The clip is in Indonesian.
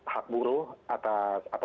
hak buruh atau